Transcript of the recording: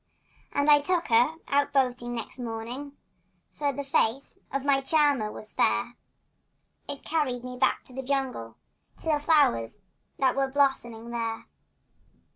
And I took her out boating next morning, For the face of my charmer was fair; It carried me back to the jungle— To the flow'rs that were blossoming there.